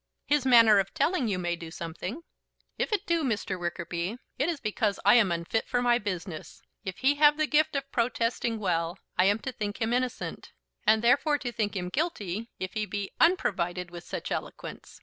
"His manner of telling you may do something." "If it do, Mr. Wickerby, it is because I am unfit for my business. If he have the gift of protesting well, I am to think him innocent; and, therefore, to think him guilty, if he be unprovided with such eloquence!